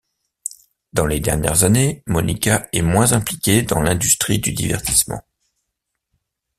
Dans les dernières années, Monica est moins impliqué dans l'industrie du divertissement.